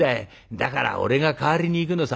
だから俺が代わりに行くのさ。